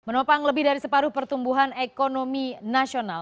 menopang lebih dari separuh pertumbuhan ekonomi nasional